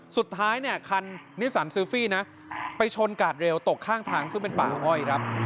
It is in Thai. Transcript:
สุดท้ายเนี่ยคันนิสันเซลฟี่นะไปชนกาดเร็วตกข้างทางซึ่งเป็นป่าอ้อยครับ